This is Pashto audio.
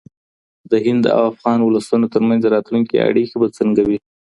د هند او افغان ولسونو ترمنځ راتلونکې اړیکې به څنګه وي؟